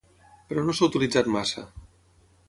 Però no s'ha utilitzat massa.